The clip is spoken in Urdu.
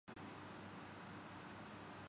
دوبارہ ضرور آنا